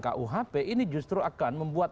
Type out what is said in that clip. kuhp ini justru akan membuat